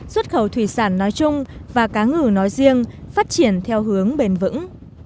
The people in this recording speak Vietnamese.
xuất khẩu thủy sản nói chung và cá ngừ nói riêng phát triển theo hướng bền vững